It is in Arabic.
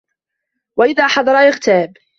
وَإِذَا حَضَرَ اغْتَابَ